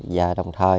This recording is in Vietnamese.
và đồng thời